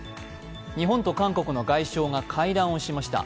日本と韓国の外相が会談をしました。